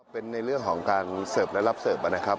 เป็นในเรื่องของการเสิร์ฟและรับเสิร์ฟนะครับ